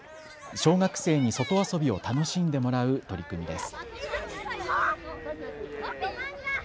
小学生に外遊びを楽しんでもらう取り組みです。